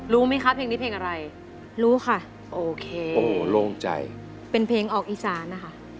รู้ไหมคะเพลงนี้เพลงอะไรรู้ค่ะโอเคโอ้โล่งใจเป็นเพลงออกอีสานนะคะ